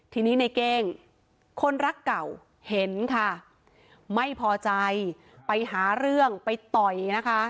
ทีนี้ในเก้งคนรักเก่าเห็นค่ะไม่พอใจไปหาเรื่องไปต่อยนะคะ